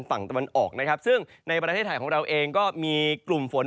ฝั่งตะวันออกนะครับซึ่งในประเทศไทยของเราเองก็มีกลุ่มฝน